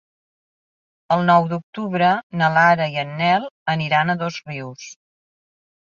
El nou d'octubre na Lara i en Nel aniran a Dosrius.